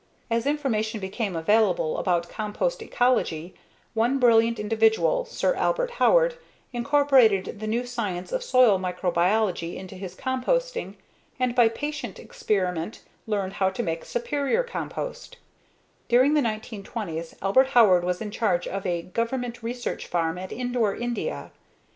As information became available about compost ecology, one brilliant individual, Sir Albert Howard, incorporated the new science of soil microbiology into his composting and by patient experiment learned how to make superior compost During the 1920s, Albert Howard was in charge of a government research farm at Indore, India.